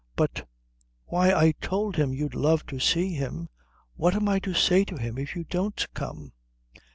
"But why, I told him you'd love to see him. What am I to say to him if you don't come?"